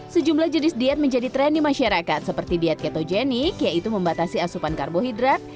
sejumlah jenis diet menjadi tren di masyarakat seperti diet ketogenik yaitu membatasi asupan karbohidrat